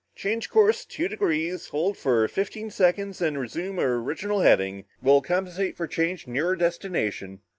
Change course two degrees, hold for fifteen seconds, then resume original heading. Will compensate for change nearer destination!"